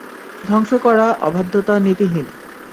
ধ্বংস করা, অবাধ্যতা, নীতিহীন।